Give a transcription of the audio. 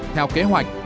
theo kế hoạch